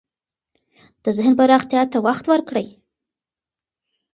د ذهن پراختیا ته وخت ورکړئ.